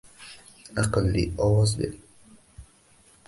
Aqlli ovoz bering